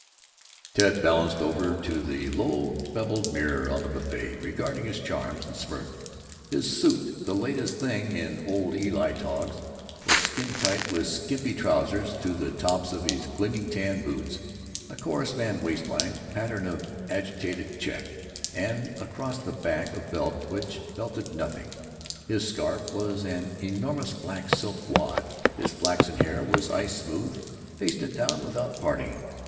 Ted balanced over to the low beveled mirror in the buffet, regarded his charms, and smirked. His suit, the latest thing in Old Eli Togs, was skin tight, with skimpy trousers to the tops of his glaring tan boots, a chorus man waistline, pattern of an agitated check, and across the back a belt which belted nothing. His scarf was an enormous black silk wad. His flaxen hair was ice smooth, pasted back without parting.